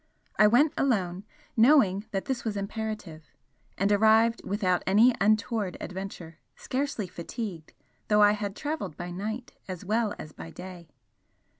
I went alone, knowing that this was imperative, and arrived without any untoward adventure, scarcely fatigued though I had travelled by night as well as by day.